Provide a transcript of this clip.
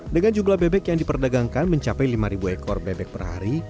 dengan jumlah bebek yang diperdagangkan mencapai lima ekor bebek per hari